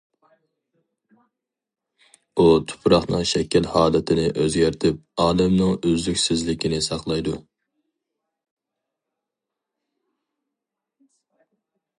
ئۇ تۇپراقنىڭ شەكىل ھالىتىنى ئۆزگەرتىپ ئالەمنىڭ ئۈزلۈكسىزلىكىنى ساقلايدۇ.